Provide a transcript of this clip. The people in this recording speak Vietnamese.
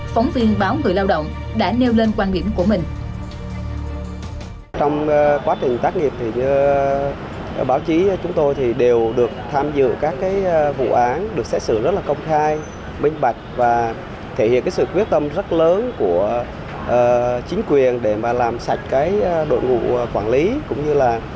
phóng viên báo người lao động đã nêu lên quan điểm của mình